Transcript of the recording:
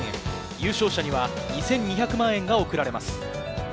優勝者には２２００万円が贈られます。